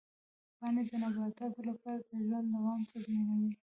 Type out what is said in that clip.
پاڼې د نباتاتو لپاره د ژوند دوام تضمینوي.